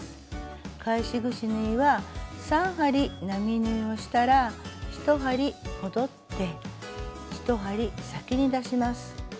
返しぐし縫いは３針並縫いをしたら１針戻って１針先に出します。